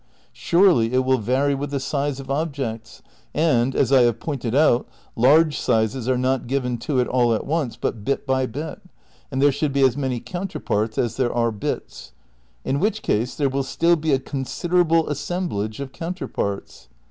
Surely it will vary with the size of objects; and, as I have pointed out, large sizes are not given to it all at once but bit by bit, and there should be as many counterparts as there are bits ; in which case there will stUl be a considerable as semblage of counterparts.